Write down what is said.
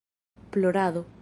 Plorado